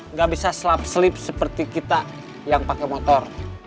nggak bisa slip slip seperti kita yang pakai motor